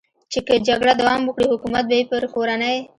چې که جګړه دوام وکړي، حکومت به یې پر کورنۍ.